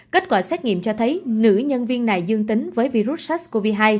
kết quả xét nghiệm cho thấy nữ nhân viên này dương tính với virus sars cov hai